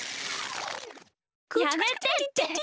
やめてって。